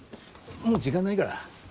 もう時間ないから。